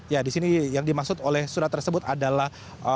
ya disini yang dimaksud oleh surat tersebut adalah